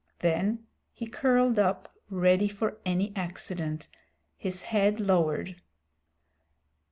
Then he curled up ready for any accident, his head lowered.